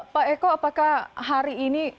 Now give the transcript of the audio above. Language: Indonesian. pak eko apakah hari ini